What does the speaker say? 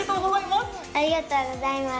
ありがとうございます。